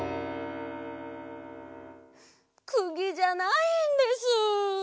くぎじゃないんです。